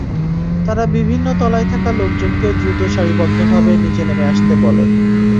তারা বিভিন্ন তলায় থাকা লোকজনকে দ্রুত সারিবদ্ধভাবে নিচে নেমে আসতে বলে।